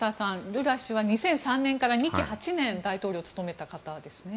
ルラ氏は２００３年から２期８年大統領を務めた方ですね。